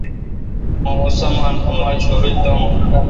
مہ اوں سامان اوما ڄورل داون۔